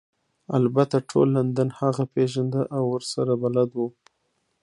البته ټول لندن هغه پیژنده او ورسره بلد وو